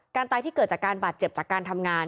ตายที่เกิดจากการบาดเจ็บจากการทำงาน